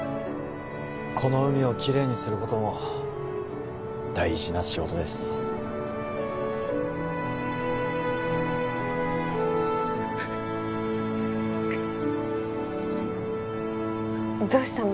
この海をきれいにすることも大事な仕事ですどうしたの？